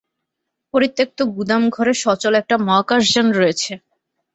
পরিত্যক্ত গুদাম ঘরে সচল একটা মহাকাশযান রয়েছে।